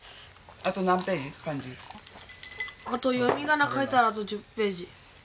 あと読み仮名書いたらあと１０ページ。